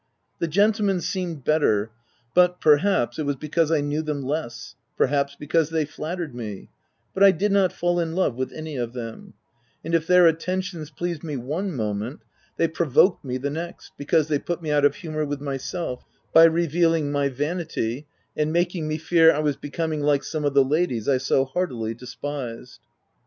The gentlemen seemed better, but per haps, it was because I knew* them less, perhaps, because they flattered me ; but I did not fall in love with any of them, and if their attentions pleased me one moment, they provoked *me the next, because they put me out of humour with 2 78 THE TENANT myself, by revealing my vanity and making me fear I was becoming like some of the ladies I so heartily despised.